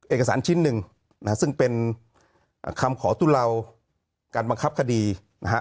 เอกสารชิ้นหนึ่งนะฮะซึ่งเป็นคำขอตุลาวการบังคับคดีนะฮะ